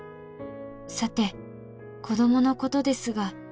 「さて子供のことですが」